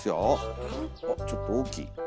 あちょっと大きい。